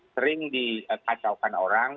sering dikacaukan orang